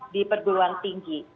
di perguruan tinggi